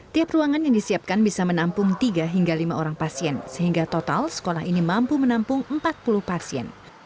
tiap ruangan yang disiapkan bisa menampung tiga hingga lima orang pasien sehingga total sekolah ini mampu menampung empat puluh pasien